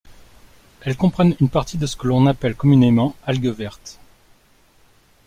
Elles comprennent une partie de ce que l’on appelle communément algues vertes.